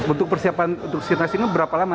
untuk persiapan untuk si nasional berapa lama